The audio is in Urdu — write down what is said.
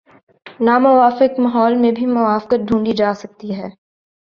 ناموافق ماحول میں بھی موافقت ڈھونڈی جا سکتی ہے۔